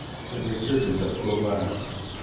It resurges at Pwll Glas.